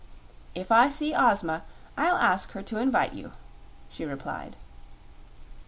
"If I see Ozma I'll ask her to invite you," she replied.